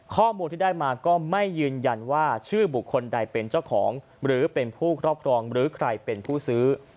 ข้อมูลที่ได้มาก็ไม่ยืนยันว่าชื่อบุคคลใดเป็นเจ้าของหรือเป็นผู้ครอบครองหรือใครเป็นผู้ซื้อ